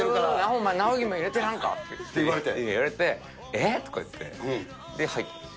お前、尚之も入れてやらんかって言われて、えっ？とか言って、で入った。